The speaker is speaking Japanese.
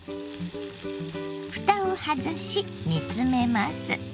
ふたを外し煮詰めます。